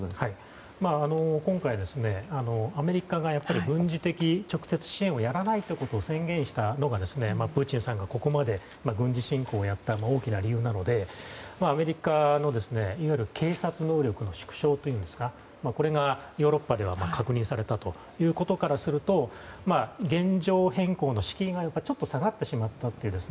今回、アメリカが軍事的直接支援をやらないことを宣言したのがプーチンさんがここまで軍事侵攻をやった大きな理由なのでアメリカの、いわゆる警察能力の縮小というんですかこれがヨーロッパで確認されたということからすると現状変更の敷居がちょっと下がってしまった。